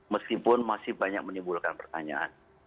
meskipun masih banyak menimbulkan pertanyaan